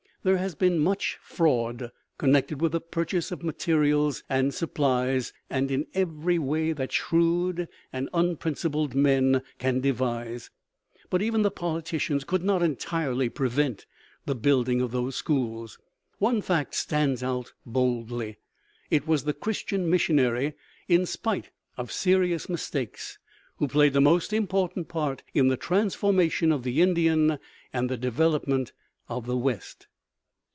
There has been much fraud connected with the purchase of materials and supplies, and in every way that shrewd and unprincipled men can devise, but even the politicians could not entirely prevent the building of those schools. One fact stands out boldly: it was the Christian missionary, in spite of serious mistakes, who played the most important part in the transformation of the Indian and the development of the West.